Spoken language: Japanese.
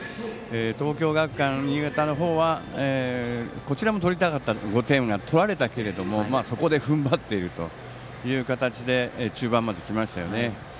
東京学館新潟の方はこちらも取りたかった５点をとられたけれどもそこで踏ん張っているという形で中盤まで来ましたよね。